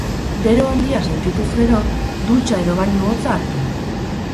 Bero handia sentituz gero, dutxa edo bainu hotza hartu.